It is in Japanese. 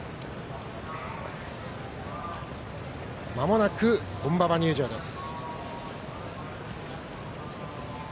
まもなく本馬場入場です。